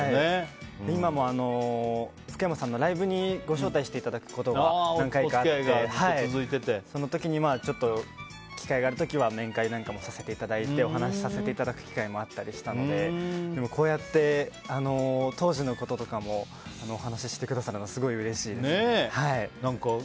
今も、福山さんのライブにご招待していただくことが何回かあってその時に機会がある時は面会なんかもさせていただいてお話しさせていただく機会もあったりしたのででも、こうやって当時のこととかもお話ししてくださるのはすごいうれしいですね。